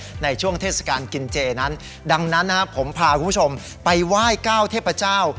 ในช่วงเทศกาลกินเจนั้นดังนั้นนะครับผมพาคุณผู้ชมไปไหว้เก้าเทพเจ้า